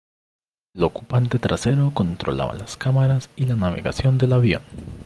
El ocupante trasero controlaba las cámaras y la navegación del avión.